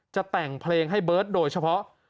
จะแต่งเพลงให้เบิร์ตโดยเฉพาะ